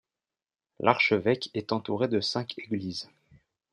L’archevêque est entouré de cinq églises.